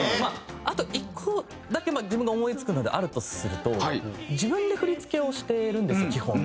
あと１個だけ自分が思い付くのであるとすると自分で振り付けをしてるんです基本。